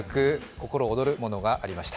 心躍るものがありました。